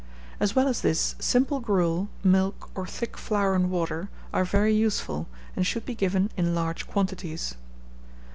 As well as this, simple gruel, milk, or thick flour and water, are very useful, and should be given in large quantities.